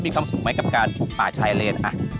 มีความสุขไหมกับการปลูกป่าชายเลน